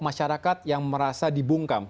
masyarakat yang merasa dibungkam